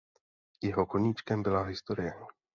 Jeho koníčkem byla historie.